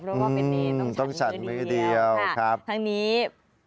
เพราะว่าเป็นเนรนต้องฉันมื้อเดียวค่ะทั้งนี้ต้องฉันมื้อเดียว